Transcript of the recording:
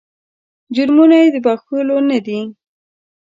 جرمونه یې د بخښلو نه دي.